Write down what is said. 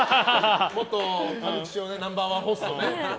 元歌舞伎町ナンバー１ホストのね。